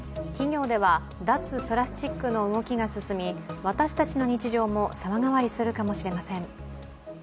企業では脱プラスチックの動きが進み私たちの日常も様変わりするかもしれません。